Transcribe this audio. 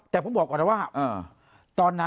เสียชีวิต